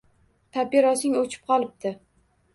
Papirosing o‘chib qolibdi.